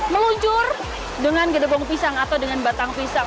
meluncur dengan gedebong pisang atau dengan batang pisang